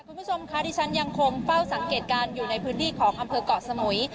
คุณผู้ชมคะที่ฉันยังคงเฝ้าสังเกตการณ์อยู่ในพื้นที่ของอำเภอกเกาะสมุย